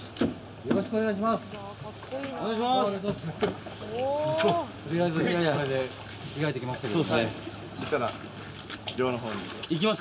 よろしくお願いします。